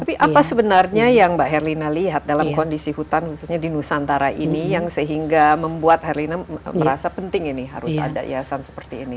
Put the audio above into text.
tapi apa sebenarnya yang mbak herlina lihat dalam kondisi hutan khususnya di nusantara ini yang sehingga membuat herlina merasa penting ini harus ada yayasan seperti ini